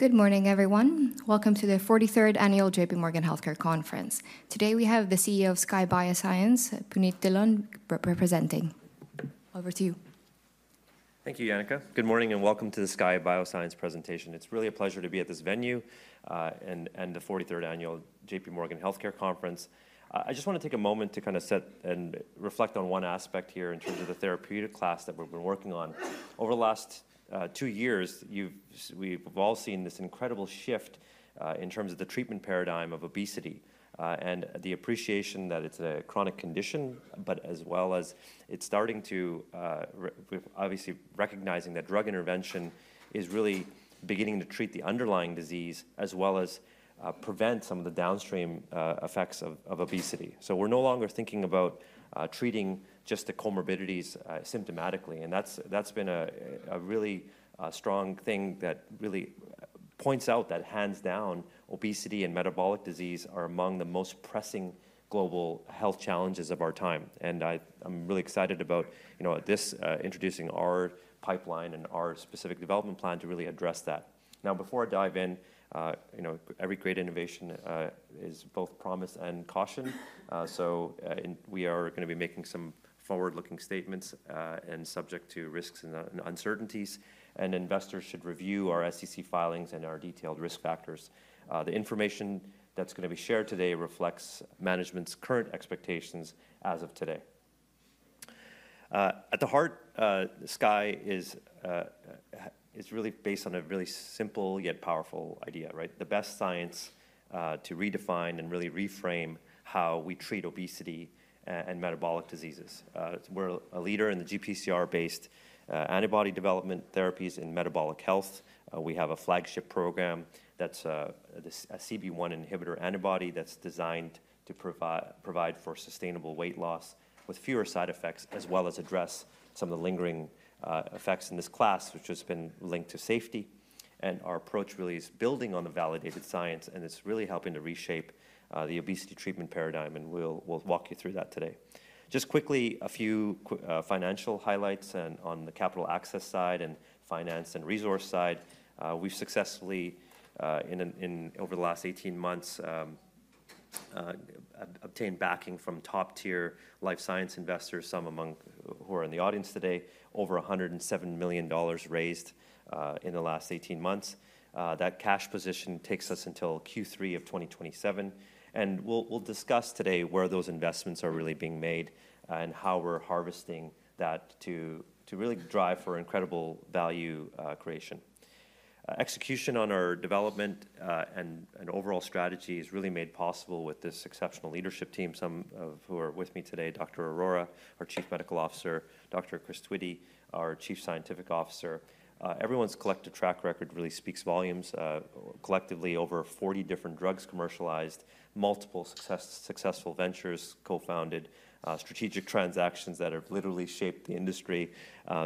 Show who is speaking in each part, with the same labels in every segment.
Speaker 1: Good morning, everyone. Welcome to the 43rd Annual J.P. Morgan Healthcare Conference. Today we have the CEO of Skye Bioscience, Punit Dhillon, representing. Over to you.
Speaker 2: Thank you, Yannick. Good morning and welcome to the Skye Bioscience presentation. It's really a pleasure to be at this venue and the 43rd Annual J.P. Morgan Healthcare Conference. I just want to take a moment to kind of set and reflect on one aspect here in terms of the therapeutic class that we've been working on. Over the last two years, we've all seen this incredible shift in terms of the treatment paradigm of obesity and the appreciation that it's a chronic condition, but as well as it's starting to, obviously, recognizing that drug intervention is really beginning to treat the underlying disease as well as prevent some of the downstream effects of obesity. So we're no longer thinking about treating just the comorbidities symptomatically. And that's been a really strong thing that really points out that hands down, obesity and metabolic disease are among the most pressing global health challenges of our time. And I'm really excited about this introducing our pipeline and our specific development plan to really address that. Now, before I dive in, every great innovation is both promise and caution. So we are going to be making some forward-looking statements and subject to risks and uncertainties. And investors should review our SEC filings and our detailed risk factors. The information that's going to be shared today reflects management's current expectations as of today. At the heart, Skye is really based on a really simple yet powerful idea, right? The best science to redefine and really reframe how we treat obesity and metabolic diseases. We're a leader in the GPCR-based Antibody Development Therapies in Metabolic Health. We have a flagship program that's a CB1 inhibitor antibody that's designed to provide for sustainable weight loss with fewer side effects, as well as address some of the lingering effects in this class, which has been linked to safety, and our approach really is building on the validated science, and it's really helping to reshape the obesity treatment paradigm, and we'll walk you through that today. Just quickly, a few financial highlights on the capital access side and finance and resource side. We've successfully, over the last 18 months, obtained backing from top-tier life science investors, some among who are in the audience today, over $107 million raised in the last 18 months. That cash position takes us until Q3 of 2027, and we'll discuss today where those investments are really being made and how we're harvesting that to really drive for incredible value creation. Execution on our development and overall strategy is really made possible with this exceptional leadership team, some of who are with me today, Dr. Arora, our Chief Medical Officer, Dr. Chris Twitty, our Chief Scientific Officer. Everyone's collective track record really speaks volumes. Collectively, over 40 different drugs commercialized, multiple successful ventures co-founded, strategic transactions that have literally shaped the industry,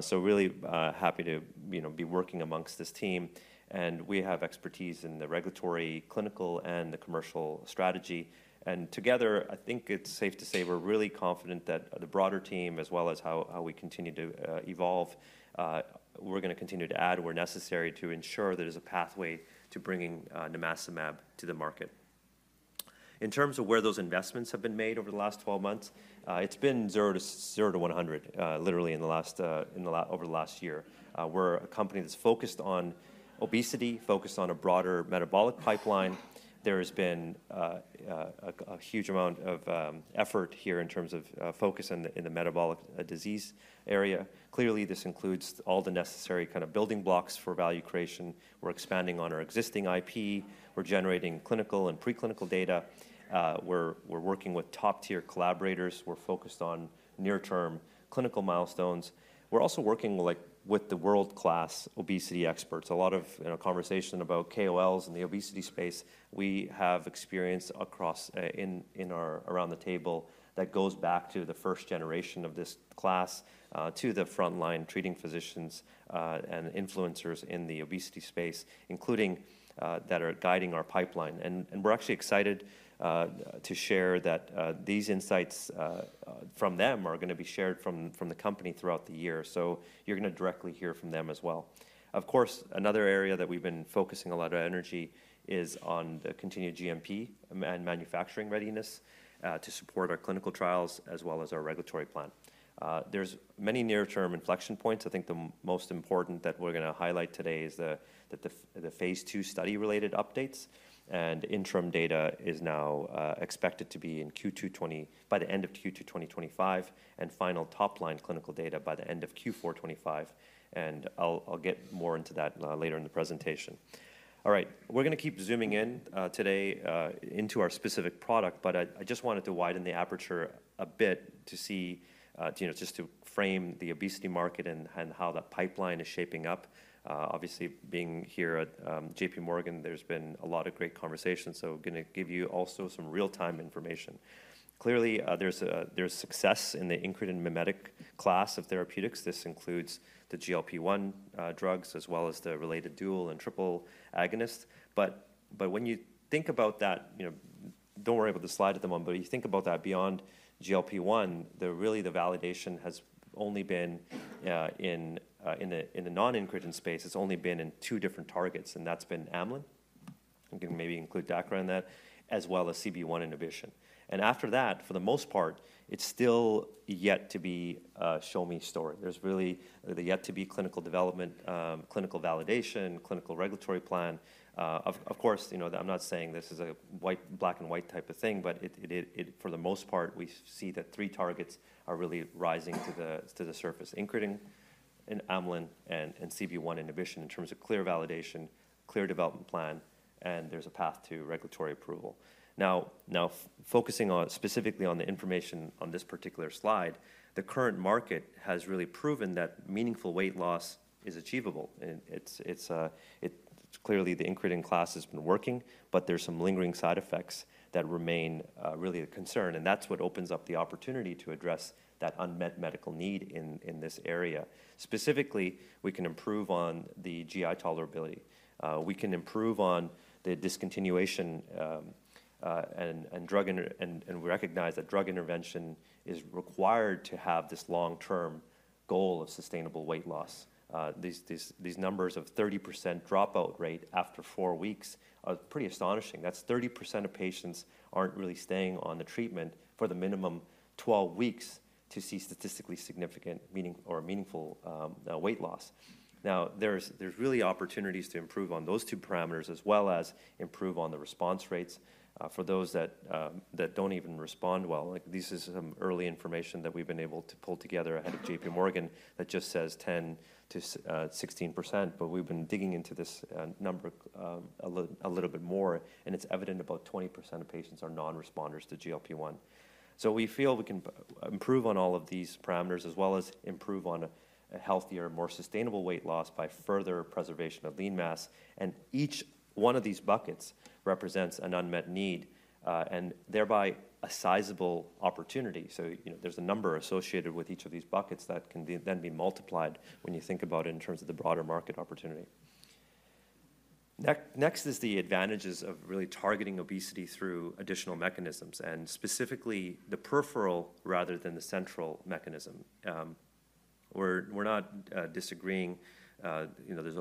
Speaker 2: so really happy to be working among this team, and we have expertise in the regulatory, clinical, and the commercial strategy, and together, I think it's safe to say we're really confident that the broader team, as well as how we continue to evolve, we're going to continue to add where necessary to ensure there's a pathway to bringing nimacimab to the market. In terms of where those investments have been made over the last 12 months, it's been zero to 100, literally in the last, over the last year. We're a company that's focused on obesity, focused on a broader metabolic pipeline. There has been a huge amount of effort here in terms of focus in the metabolic disease area. Clearly, this includes all the necessary kind of building blocks for value creation. We're expanding on our existing IP. We're generating clinical and preclinical data. We're working with top-tier collaborators. We're focused on near-term clinical milestones. We're also working with the world-class obesity experts. A lot of conversation about KOLs in the obesity space we have experienced across in our around the table that goes back to the first generation of this class, to the frontline treating physicians and influencers in the obesity space, including that are guiding our pipeline. We're actually excited to share that these insights from them are going to be shared from the company throughout the year. So you're going to directly hear from them as well. Of course, another area that we've been focusing a lot of energy is on the continued GMP and manufacturing readiness to support our clinical trials, as well as our regulatory plan. There's many near-term inflection points. I think the most important that we're going to highlight today is the Phase II study-related updates. Interim data is now expected to be in Q2 by the end of Q2 2025, and final top-line clinical data by the end of Q4 2025. I'll get more into that later in the presentation. All right, we're going to keep zooming in today into our specific product, but I just wanted to widen the aperture a bit to see, just to frame the obesity market and how that pipeline is shaping up. Obviously, being here at J.P. Morgan, there's been a lot of great conversation. So I'm going to give you also some real-time information. Clearly, there's success in the incretin-mimetic class of therapeutics. This includes the GLP-1 drugs, as well as the related dual and triple agonists. But when you think about that, don't worry about the slide at the moment, but when you think about that beyond GLP-1, really the validation has only been in the non-incretin space. It's only been in two different targets, and that's been Amylin. I'm going to maybe include DACRA in that, as well as CB1 inhibition. After that, for the most part, it's still yet to be a show-me story. There's really the yet-to-be clinical development, clinical validation, clinical regulatory plan. Of course, I'm not saying this is a black-and-white type of thing, but for the most part, we see that three targets are really rising to the surface: incretin, Amylin, and CB1 inhibition in terms of clear validation, clear development plan, and there's a path to regulatory approval. Now, focusing specifically on the information on this particular slide, the current market has really proven that meaningful weight loss is achievable. Clearly, the incretin class has been working, but there's some lingering side effects that remain really a concern. That's what opens up the opportunity to address that unmet medical need in this area. Specifically, we can improve on the GI tolerability. We can improve on the discontinuation and recognize that drug intervention is required to have this long-term goal of sustainable weight loss. These numbers of 30% dropout rate after four weeks are pretty astonishing. That's 30% of patients aren't really staying on the treatment for the minimum 12 weeks to see statistically significant or meaningful weight loss. Now, there's really opportunities to improve on those two parameters, as well as improve on the response rates for those that don't even respond well. This is some early information that we've been able to pull together ahead of J.P. Morgan that just says 10%-16%, but we've been digging into this number a little bit more, and it's evident about 20% of patients are non-responders to GLP-1. So we feel we can improve on all of these parameters, as well as improve on a healthier, more sustainable weight loss by further preservation of lean mass. And each one of these buckets represents an unmet need and thereby a sizable opportunity. So there's a number associated with each of these buckets that can then be multiplied when you think about it in terms of the broader market opportunity. Next is the advantages of really targeting obesity through additional mechanisms, and specifically the peripheral rather than the central mechanism. We're not disagreeing. There's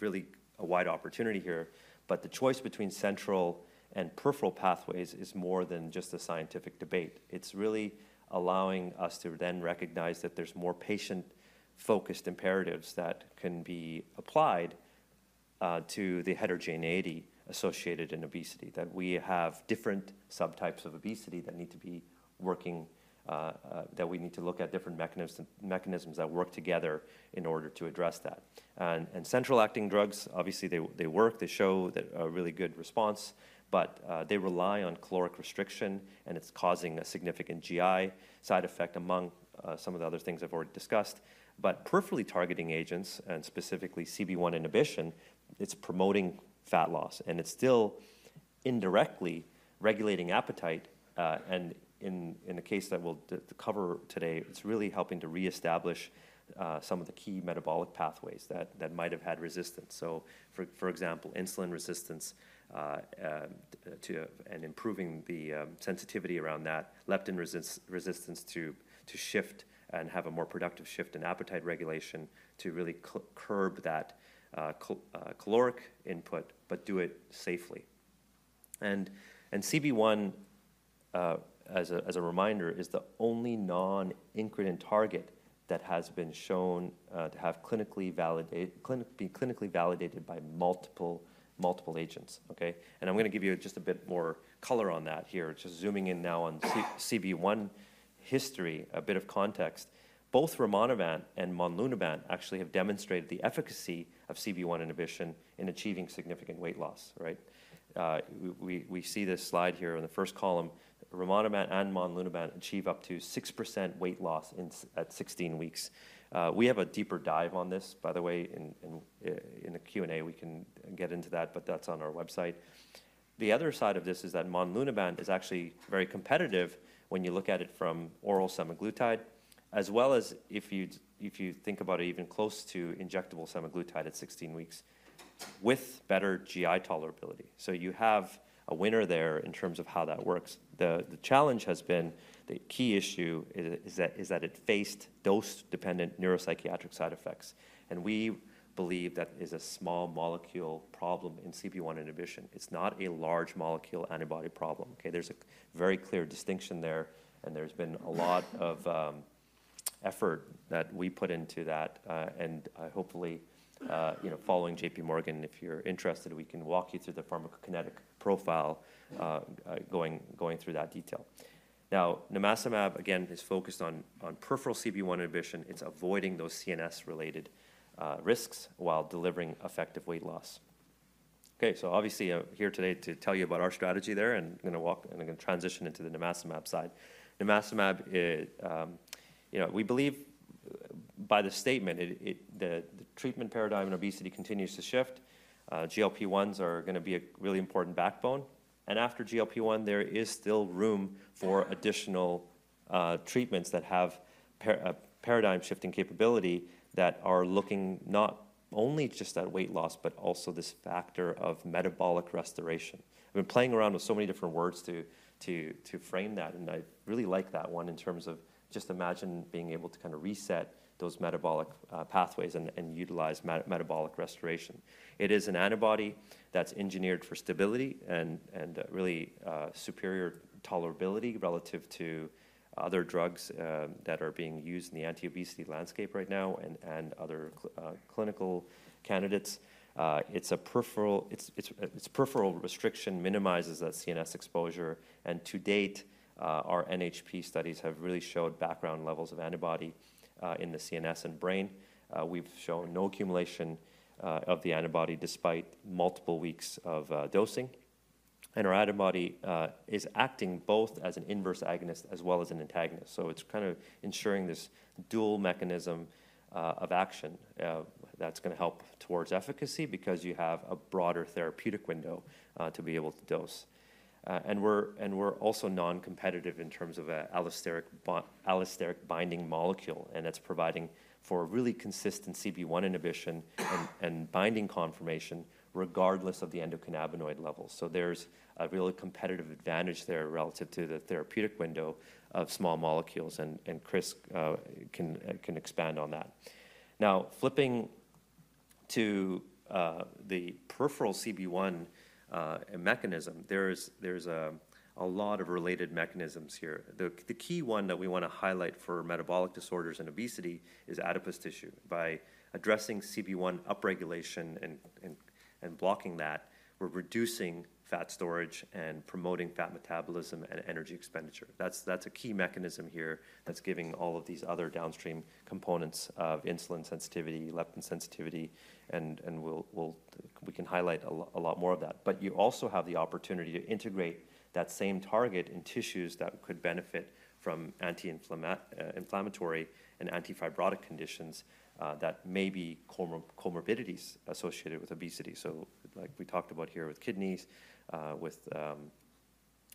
Speaker 2: really a wide opportunity here, but the choice between central and peripheral pathways is more than just a scientific debate. It's really allowing us to then recognize that there's more patient-focused imperatives that can be applied to the heterogeneity associated in obesity, that we have different subtypes of obesity that need to be working, that we need to look at different mechanisms that work together in order to address that. And central acting drugs, obviously, they work. They show a really good response, but they rely on caloric restriction, and it's causing a significant GI side effect among some of the other things I've already discussed. But peripherally targeting agents, and specifically CB1 inhibition, it's promoting fat loss, and it's still indirectly regulating appetite. And in the case that we'll cover today, it's really helping to reestablish some of the key metabolic pathways that might have had resistance. For example, insulin resistance and improving the sensitivity around that, leptin resistance to shift and have a more productive shift in appetite regulation to really curb that caloric input, but do it safely. CB1, as a reminder, is the only non-incretin target that has been shown to be clinically validated by multiple agents. Okay? I'm going to give you just a bit more color on that here, just zooming in now on CB1 history, a bit of context. Both rimonabant and monlunabant actually have demonstrated the efficacy of CB1 inhibition in achieving significant weight loss, right? We see this slide here in the first column. rimonabant and monlunabant achieve up to 6% weight loss at 16 weeks. We have a deeper dive on this, by the way, in the Q&A. We can get into that, but that's on our website. The other side of this is that monlunabant is actually very competitive when you look at it from oral semaglutide, as well as if you think about it even close to injectable semaglutide at 16 weeks with better GI tolerability. So you have a winner there in terms of how that works. The challenge has been, the key issue is that it faced dose-dependent neuropsychiatric side effects. And we believe that is a small molecule problem in CB1 inhibition. It's not a large molecule antibody problem. Okay? There's a very clear distinction there, and there's been a lot of effort that we put into that. And hopefully, following J.P. Morgan, if you're interested, we can walk you through the pharmacokinetic profile going through that detail. Now, Nimacimab, again, is focused on peripheral CB1 inhibition. It's avoiding those CNS-related risks while delivering effective weight loss. Okay? So obviously, I'm here today to tell you about our strategy there, and I'm going to transition into the Nimacimab side. Nimacimab, we believe by the statement, the treatment paradigm in obesity continues to shift. GLP-1s are going to be a really important backbone. And after GLP-1, there is still room for additional treatments that have paradigm-shifting capability that are looking not only just at weight loss, but also this factor of metabolic restoration. We've been playing around with so many different words to frame that, and I really like that one in terms of just imagine being able to kind of reset those metabolic pathways and utilize metabolic restoration. It is an antibody that's engineered for stability and really superior tolerability relative to other drugs that are being used in the anti-obesity landscape right now and other clinical candidates. It's a peripheral restriction, minimizes that CNS exposure. And to date, our NHP studies have really showed background levels of antibody in the CNS and brain. We've shown no accumulation of the antibody despite multiple weeks of dosing. And our antibody is acting both as an inverse agonist as well as an antagonist. So it's kind of ensuring this dual mechanism of action that's going to help towards efficacy because you have a broader therapeutic window to be able to dose. And we're also non-competitive in terms of an allosteric binding molecule, and that's providing for really consistent CB1 inhibition and binding confirmation regardless of the endocannabinoid level. So there's a really competitive advantage there relative to the therapeutic window of small molecules, and Chris can expand on that. Now, flipping to the peripheral CB1 mechanism, there's a lot of related mechanisms here. The key one that we want to highlight for metabolic disorders and obesity is adipose tissue. By addressing CB1 upregulation and blocking that, we're reducing fat storage and promoting fat metabolism and energy expenditure. That's a key mechanism here that's giving all of these other downstream components of insulin sensitivity, leptin sensitivity, and we can highlight a lot more of that. But you also have the opportunity to integrate that same target in tissues that could benefit from anti-inflammatory and antifibrotic conditions that may be comorbidities associated with obesity. So like we talked about here with kidneys,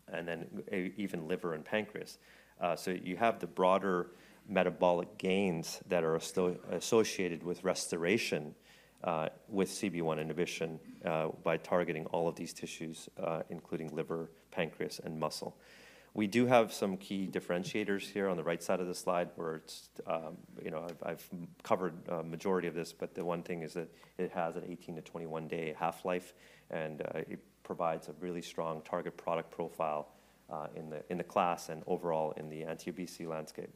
Speaker 2: and then even liver and pancreas. So you have the broader metabolic gains that are associated with restoration with CB1 inhibition by targeting all of these tissues, including liver, pancreas, and muscle. We do have some key differentiators here on the right side of the slide where I've covered a majority of this, but the one thing is that it has an 18-21 day half-life, and it provides a really strong target product profile in the class and overall in the anti-obesity landscape.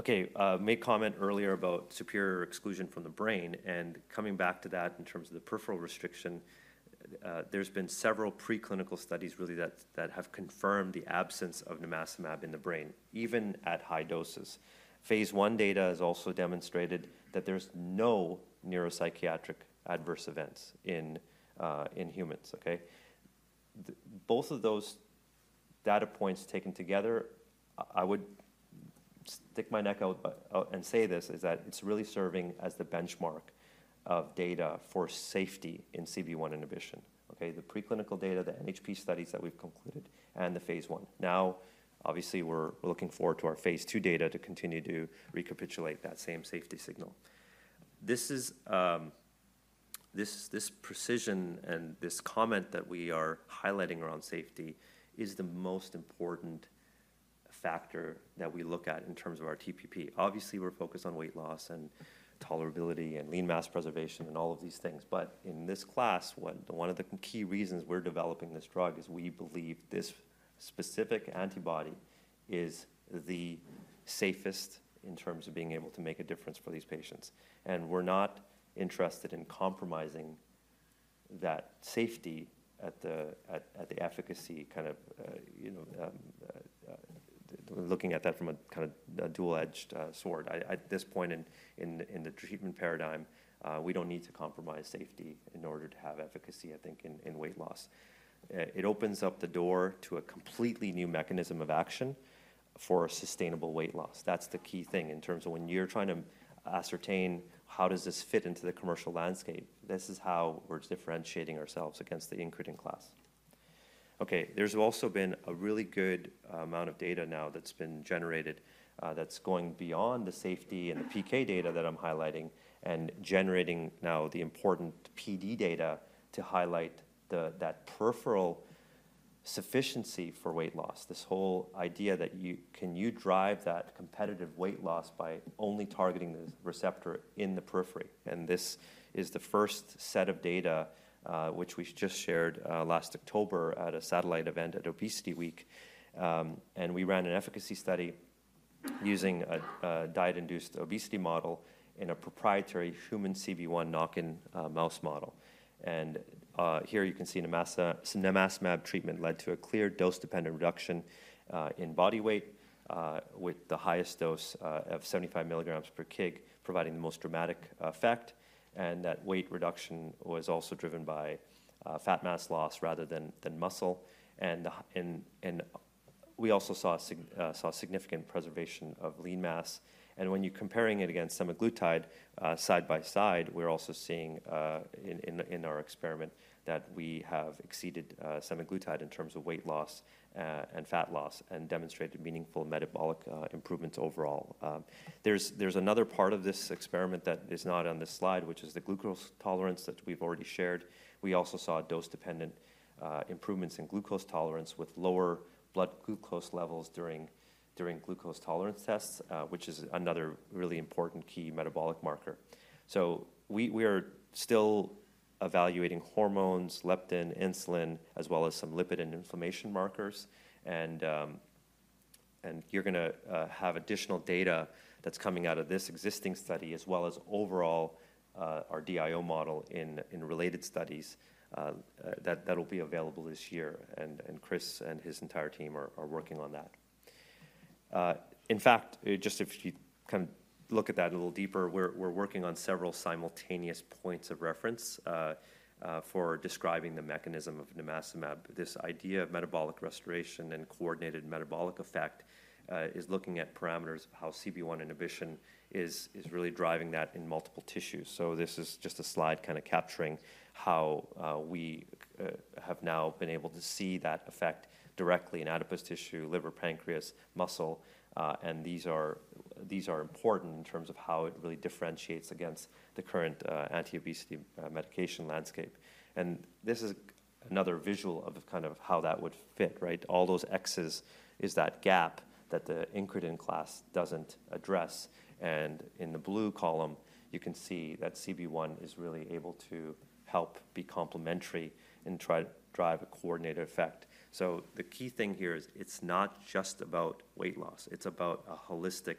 Speaker 2: Okay, made comment earlier about superior exclusion from the brain, and coming back to that in terms of the peripheral restriction, there's been several preclinical studies really that have confirmed the absence of Nimacimab in the brain, even at high doses. Phase I data has also demonstrated that there's no neuropsychiatric adverse events in humans. Okay? Both of those data points taken together, I would stick my neck out and say this is that it's really serving as the benchmark of data for safety in CB1 inhibition. Okay? The preclinical data, the NHP studies that we've concluded, and the phase one. Now, obviously, we're looking forward to our phase two data to continue to recapitulate that same safety signal. This precision and this comment that we are highlighting around safety is the most important factor that we look at in terms of our TPP. Obviously, we're focused on weight loss and tolerability and lean mass preservation and all of these things. But in this class, one of the key reasons we're developing this drug is we believe this specific antibody is the safest in terms of being able to make a difference for these patients. And we're not interested in compromising that safety at the efficacy kind of looking at that from a kind of dual-edged sword. At this point in the treatment paradigm, we don't need to compromise safety in order to have efficacy, I think, in weight loss. It opens up the door to a completely new mechanism of action for sustainable weight loss. That's the key thing in terms of when you're trying to ascertain how does this fit into the commercial landscape, this is how we're differentiating ourselves against the incretin class. Okay, there's also been a really good amount of data now that's been generated that's going beyond the safety and the PK data that I'm highlighting and generating now the important PD data to highlight that peripheral sufficiency for weight loss, this whole idea that can you drive that competitive weight loss by only targeting the receptor in the periphery. And this is the first set of data which we just shared last October at a satellite event at ObesityWeek. We ran an efficacy study using a diet-induced obesity model in a proprietary human CB1 knock-in mouse model. Here you can see Nimacimab treatment led to a clear dose-dependent reduction in body weight with the highest dose of 75 mg per kg providing the most dramatic effect. That weight reduction was also driven by fat mass loss rather than muscle. We also saw significant preservation of lean mass. When you're comparing it against semaglutide side by side, we're also seeing in our experiment that we have exceeded semaglutide in terms of weight loss and fat loss and demonstrated meaningful metabolic improvements overall. There's another part of this experiment that is not on this slide, which is the glucose tolerance that we've already shared. We also saw dose-dependent improvements in glucose tolerance with lower blood glucose levels during glucose tolerance tests, which is another really important key metabolic marker. So we are still evaluating hormones, leptin, insulin, as well as some lipid and inflammation markers. And you're going to have additional data that's coming out of this existing study as well as overall our DIO model in related studies that'll be available this year. And Chris and his entire team are working on that. In fact, just if you kind of look at that a little deeper, we're working on several simultaneous points of reference for describing the mechanism of nimacimab. This idea of metabolic restoration and coordinated metabolic effect is looking at parameters of how CB1 inhibition is really driving that in multiple tissues. This is just a slide kind of capturing how we have now been able to see that effect directly in adipose tissue, liver, pancreas, muscle. And these are important in terms of how it really differentiates against the current anti-obesity medication landscape. And this is another visual of kind of how that would fit, right? All those excess is that gap that the incretin class doesn't address. And in the blue column, you can see that CB1 is really able to help be complementary and try to drive a coordinated effect. So the key thing here is it's not just about weight loss. It's about a holistic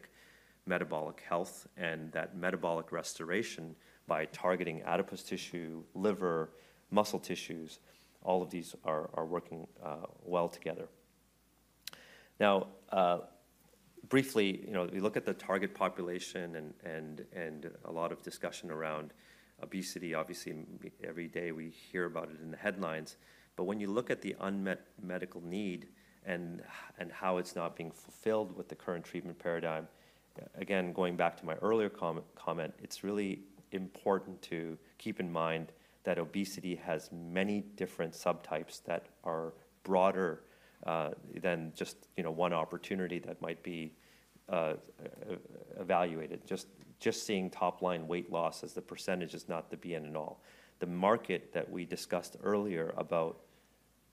Speaker 2: metabolic health and that metabolic restoration by targeting adipose tissue, liver, muscle tissues. All of these are working well together. Now, briefly, we look at the target population and a lot of discussion around obesity. Obviously, every day we hear about it in the headlines. But when you look at the unmet medical need and how it's not being fulfilled with the current treatment paradigm, again, going back to my earlier comment, it's really important to keep in mind that obesity has many different subtypes that are broader than just one opportunity that might be evaluated. Just seeing top-line weight loss as the percentage is not the be-all. The market that we discussed earlier about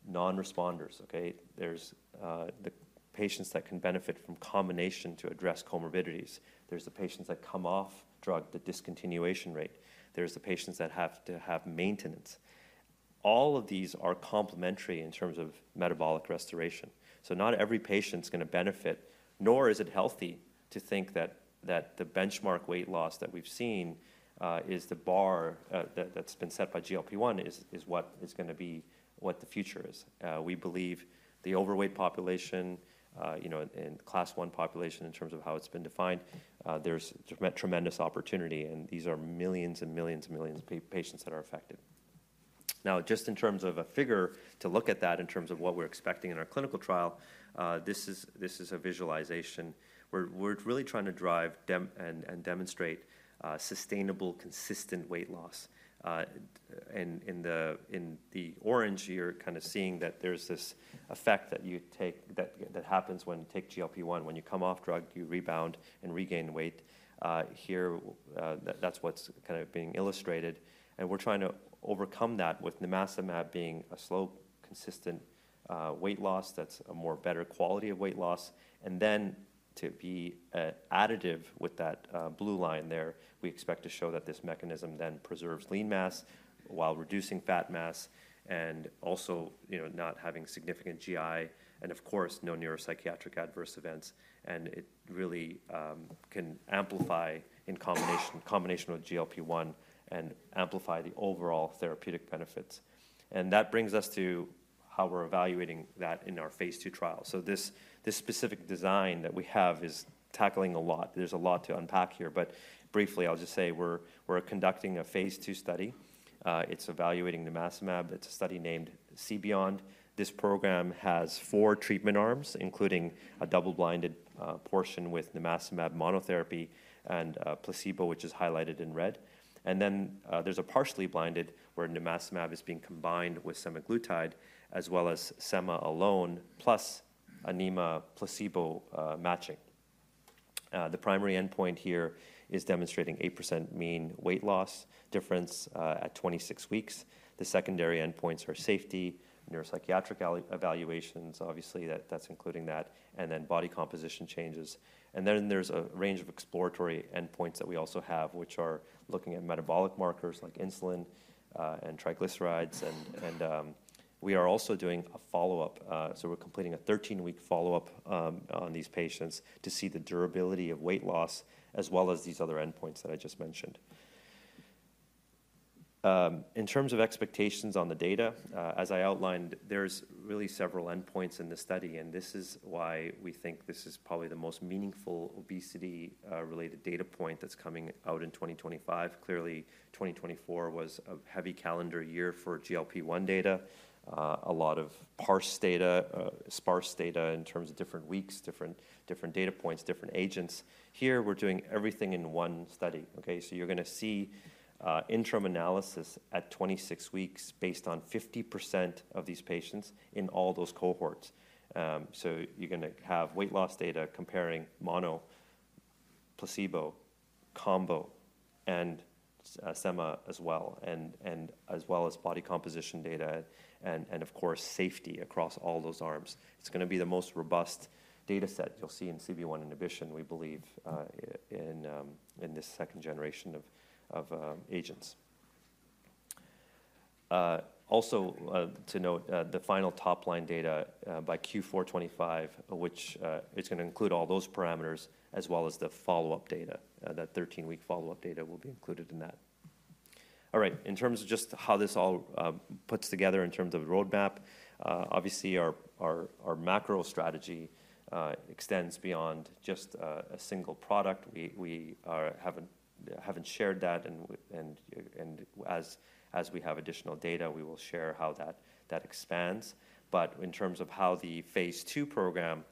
Speaker 2: non-responders, okay? There's the patients that can benefit from combination to address comorbidities. There's the patients that come off drug, the discontinuation rate. There's the patients that have to have maintenance. All of these are complementary in terms of metabolic restoration. So not every patient's going to benefit, nor is it healthy to think that the benchmark weight loss that we've seen is the bar that's been set by GLP-1 is what is going to be what the future is. We believe the overweight population and Class I population in terms of how it's been defined, there's tremendous opportunity, and these are millions and millions and millions of patients that are affected. Now, just in terms of a figure to look at that in terms of what we're expecting in our clinical trial, this is a visualization. We're really trying to drive and demonstrate sustainable, consistent weight loss. In the orange here, kind of seeing that there's this effect that happens when you take GLP-1. When you come off drug, you rebound and regain weight. Here, that's what's kind of being illustrated. And we're trying to overcome that with nimacimab being a slow, consistent weight loss that's a better quality of weight loss. And then to be additive with that blue line there, we expect to show that this mechanism then preserves lean mass while reducing fat mass and also not having significant GI and, of course, no neuropsychiatric adverse events. And it really can amplify in combination with GLP-1 and amplify the overall therapeutic benefits. And that brings us to how we're evaluating that in our Phase II trial. So this specific design that we have is tackling a lot. There's a lot to unpack here. But briefly, I'll just say we're conducting a phase two study. It's evaluating Nimacimab. It's a study named CBeyond. This program has four treatment arms, including a double-blinded portion with Nimacimab monotherapy and placebo, which is highlighted in red. There's a partially blinded where nimacimab is being combined with semaglutide as well as Sema alone plus a nimacimab placebo matching. The primary endpoint here is demonstrating 8% mean weight loss difference at 26 weeks. The secondary endpoints are safety, neuropsychiatric evaluations, obviously, that's including that, and then body composition changes. There's a range of exploratory endpoints that we also have, which are looking at metabolic markers like insulin and triglycerides. We are also doing a follow-up. We're completing a 13-week follow-up on these patients to see the durability of weight loss as well as these other endpoints that I just mentioned. In terms of expectations on the data, as I outlined, there's really several endpoints in the study, and this is why we think this is probably the most meaningful obesity-related data point that's coming out in 2025. Clearly, 2024 was a heavy calendar year for GLP-1 data. A lot of sparse data in terms of different weeks, different data points, different agents. Here, we're doing everything in one study. Okay? So you're going to see interim analysis at 26 weeks based on 50% of these patients in all those cohorts. So you're going to have weight loss data comparing mono, placebo, combo, and SEMA as well, as well as body composition data and, of course, safety across all those arms. It's going to be the most robust data set you'll see in CB1 inhibition, we believe, in this second generation of agents. Also, to note, the final top-line data by Q425, which is going to include all those parameters as well as the follow-up data, that 13-week follow-up data will be included in that. All right, in terms of just how this all puts together in terms of roadmap, obviously, our macro strategy extends beyond just a single product. We haven't shared that. And as we have additional data, we will share how that expands. But in terms of how the Phase II program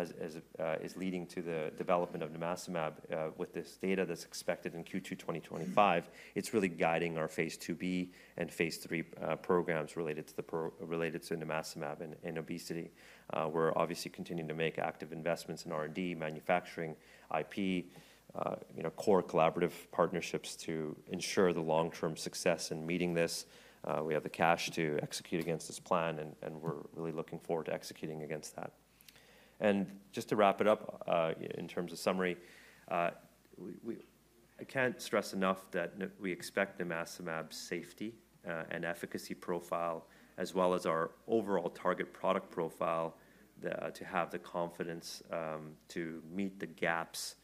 Speaker 2: is leading to the development of nimacimab with this data that's expected in Q2 2025, it's really guiding our Phase II-B and phase III programs related to nimacimab and obesity. We're obviously continuing to make active investments in R&D, manufacturing, IP, core collaborative partnerships to ensure the long-term success in meeting this. We have the cash to execute against this plan, and we're really looking forward to executing against that. And just to wrap it up in terms of summary, I can't stress enough that we expect nimacimab's safety and efficacy profile as well as our overall target product profile to have the confidence to meet the gaps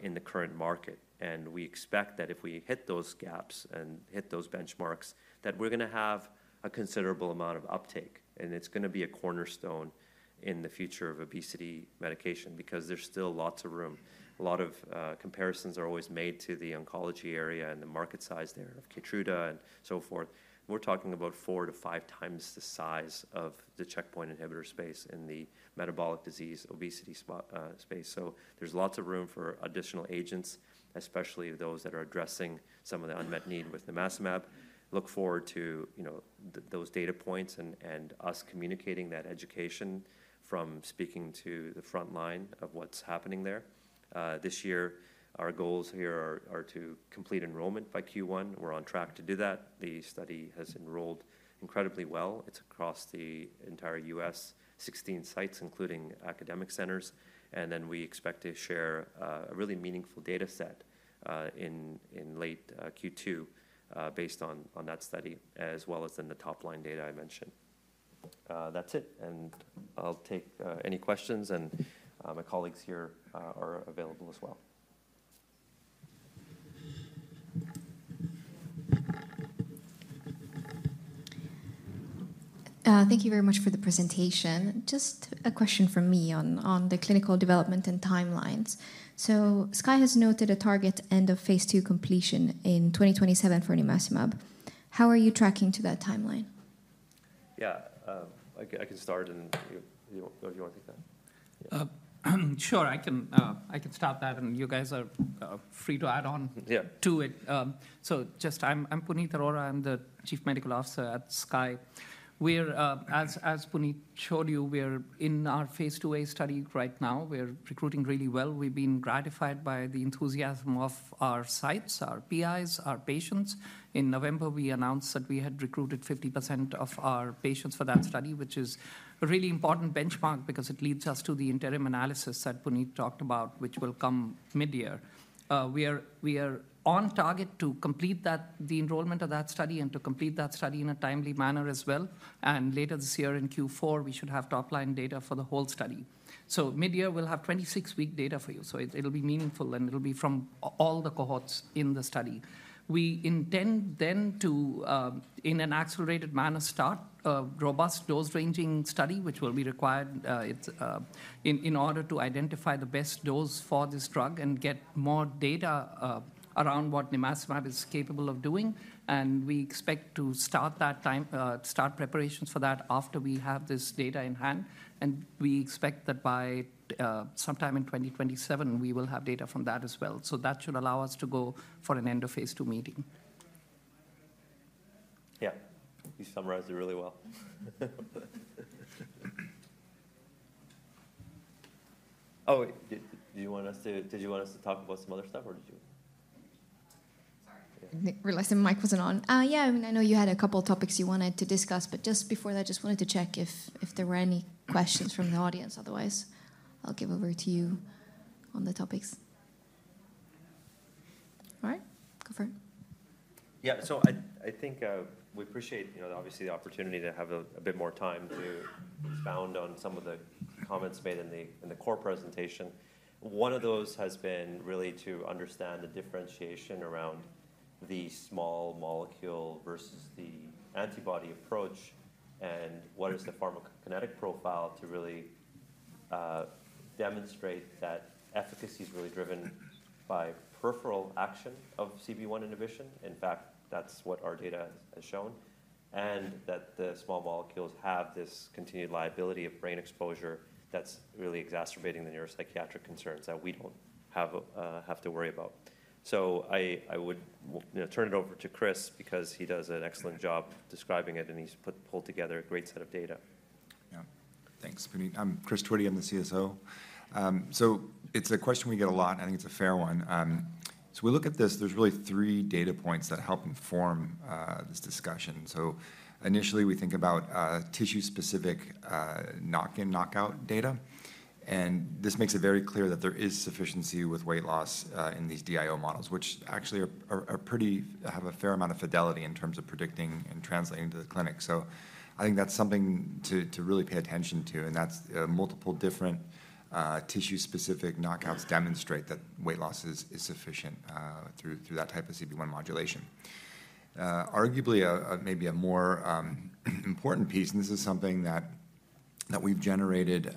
Speaker 2: in the current market. And we expect that if we hit those gaps and hit those benchmarks, that we're going to have a considerable amount of uptake. And it's going to be a cornerstone in the future of obesity medication because there's still lots of room. A lot of comparisons are always made to the oncology area and the market size there of Keytruda and so forth. We're talking about four to five times the size of the checkpoint inhibitor space in the metabolic disease obesity space. So there's lots of room for additional agents, especially those that are addressing some of the unmet need with nimacimab. Look forward to those data points and us communicating that education from speaking to the front line of what's happening there. This year, our goals here are to complete enrollment by Q1. We're on track to do that. The study has enrolled incredibly well. It's across the entire U.S., 16 sites, including academic centers. And then we expect to share a really meaningful data set in late Q2 based on that study, as well as then the top-line data I mentioned. That's it. And I'll take any questions. And my colleagues here are available as well. Thank you very much for the presentation. Just a question from me on the clinical development and timelines. So Skye has noted a target end of Phase II completion in 2027 for nimacimab. How are you tracking to that timeline? Yeah, I can start, and if you want to take that.
Speaker 3: Sure, I can start that, and you guys are free to add on to it. So, I'm Puneet Arora. I'm the Chief Medical Officer at Skye. As Punit showed you, we're in our Phase II-A study right now. We're recruiting really well. We've been gratified by the enthusiasm of our sites, our PIs, our patients. In November, we announced that we had recruited 50% of our patients for that study, which is a really important benchmark because it leads us to the interim analysis that Punit talked about, which will come mid-year. We are on target to complete the enrollment of that study and to complete that study in a timely manner as well. And later this year in Q4, we should have top-line data for the whole study. So mid-year, we'll have 26-week data for you. So it'll be meaningful, and it'll be from all the cohorts in the study. We intend then to, in an accelerated manner, start a robust dose-ranging study, which will be required in order to identify the best dose for this drug and get more data around what nimacimab is capable of doing. And we expect to start preparations for that after we have this data in hand. And we expect that by sometime in 2027, we will have data from that as well. So that should allow us to go for an end of Phase II meeting.
Speaker 2: Yeah, you summarized it really well. Oh, did you want us to talk about some other stuff, or did you?
Speaker 1: Sorry. I realized the mic wasn't on. Yeah, I mean, I know you had a couple of topics you wanted to discuss, but just before that, I just wanted to check if there were any questions from the audience. Otherwise, I'll give over to you on the topics. All right, go for it.
Speaker 2: Yeah, so I think we appreciate, obviously, the opportunity to have a bit more time to expound on some of the comments made in the core presentation. One of those has been really to understand the differentiation around the small molecule versus the antibody approach and what is the pharmacokinetic profile to really demonstrate that efficacy is really driven by peripheral action of CB1 inhibition. In fact, that's what our data has shown, and that the small molecules have this continued liability of brain exposure that's really exacerbating the neuropsychiatric concerns that we don't have to worry about. So I would turn it over to Chris because he does an excellent job describing it, and he's pulled together a great set of data.
Speaker 4: Yeah, thanks, Punit. I'm Chris Twitty. I'm the CSO. So it's a question we get a lot. I think it's a fair one. So we look at this. There's really three data points that help inform this discussion. So initially, we think about tissue-specific knock-in, knockout data. And this makes it very clear that there is sufficiency with weight loss in these DIO models, which actually have a fair amount of fidelity in terms of predicting and translating to the clinic. So I think that's something to really pay attention to. And that's multiple different tissue-specific knockouts demonstrate that weight loss is sufficient through that type of CB1 modulation. Arguably, maybe a more important piece, and this is something that we've generated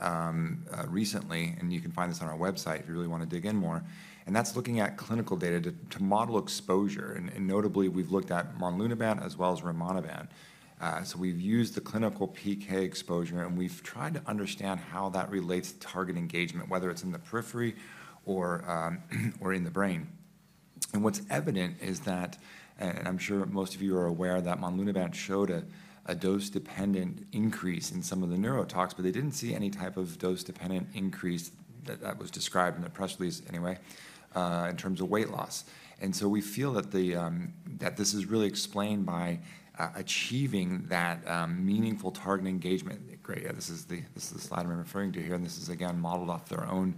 Speaker 4: recently, and you can find this on our website if you really want to dig in more, and that's looking at clinical data to model exposure. Notably, we've looked at Monlunabant as well as Rimonabant. We've used the clinical PK exposure, and we've tried to understand how that relates to target engagement, whether it's in the periphery or in the brain. What's evident is that, and I'm sure most of you are aware that Monlunabant showed a dose-dependent increase in some of the neurotoxicity, but they didn't see any type of dose-dependent increase that was described in the press release anyway in terms of weight loss. We feel that this is really explained by achieving that meaningful target engagement. Great. Yeah, this is the slide I'm referring to here. This is, again, modeled off their own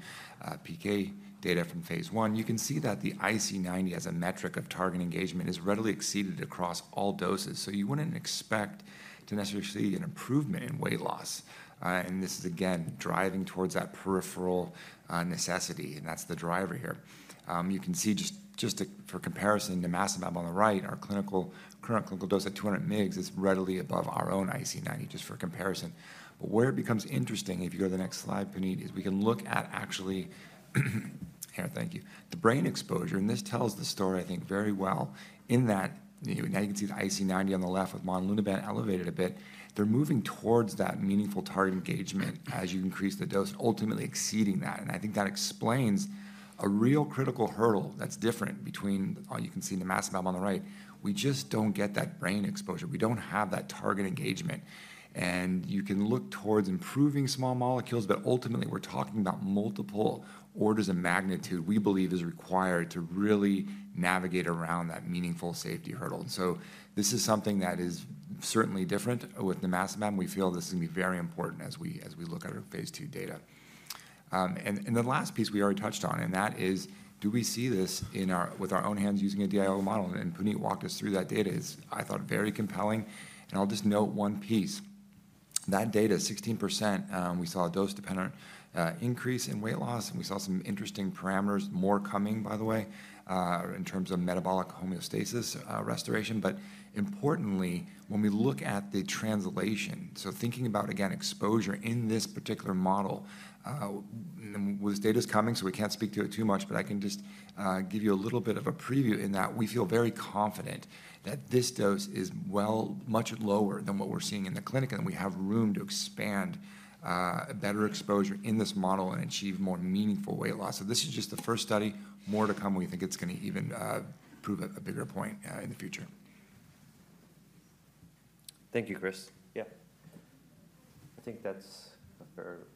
Speaker 4: PK data from Phase I. You can see that the IC90, as a metric of target engagement, is readily exceeded across all doses. So you wouldn't expect to necessarily see an improvement in weight loss. And this is, again, driving towards that peripheral necessity. And that's the driver here. You can see just for comparison, nimacimab on the right, our current clinical dose at 200 mg is readily above our own IC90, just for comparison. But where it becomes interesting, if you go to the next slide, Punit, is we can look at actually here, thank you, the brain exposure. And this tells the story, I think, very well in that now you can see the IC90 on the left with Monlunabant elevated a bit. They're moving towards that meaningful target engagement as you increase the dose, ultimately exceeding that. And I think that explains a real critical hurdle that's different between all you can see Nimacimab on the right. We just don't get that brain exposure. We don't have that target engagement. You can look towards improving small molecules, but ultimately, we're talking about multiple orders of magnitude, we believe, is required to really navigate around that meaningful safety hurdle. This is something that is certainly different with nimacimab. We feel this is going to be very important as we look at our phase two data. The last piece we already touched on, and that is, do we see this with our own hands using a DIO model? Punit walked us through that data. It's, I thought, very compelling. I'll just note one piece. That data, 16%, we saw a dose-dependent increase in weight loss. We saw some interesting parameters, more coming, by the way, in terms of metabolic homeostasis restoration. But importantly, when we look at the translation, so thinking about, again, exposure in this particular model, and this data is coming, so we can't speak to it too much, but I can just give you a little bit of a preview in that we feel very confident that this dose is much lower than what we're seeing in the clinic, and we have room to expand better exposure in this model and achieve more meaningful weight loss. So this is just the first study. More to come. We think it's going to even prove a bigger point in the future.
Speaker 2: Thank you, Chris. Yeah, I think that's a fair.